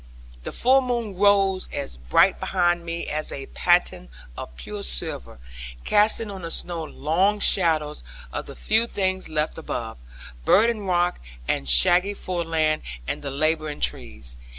The full moon rose as bright behind me as a paten of pure silver, casting on the snow long shadows of the few things left above, burdened rock, and shaggy foreland, and the labouring trees.